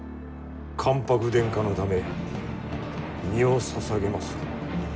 関白殿下のため身をささげまする。